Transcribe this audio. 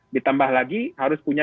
ditambah lagi harus punya